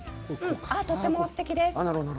とてもすてきです。